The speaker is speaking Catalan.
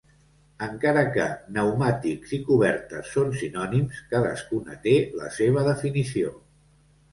Encara que pneumàtics i cobertes són sinònims, cadascuna té la seva definició.